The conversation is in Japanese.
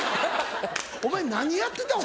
お前何やってたん？